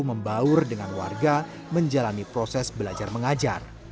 membaur dengan warga menjalani proses belajar mengajar